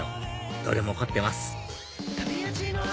どれも凝ってます